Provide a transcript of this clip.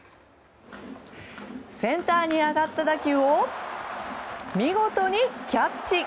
センターに上がった打球を見事にキャッチ！